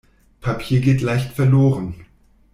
Papier geht leicht verloren.